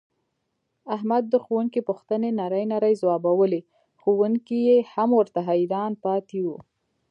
احمد د ښوونکي پوښتنې نرۍ نرۍ ځواوبولې ښوونکی یې هم ورته حیران پاتې و.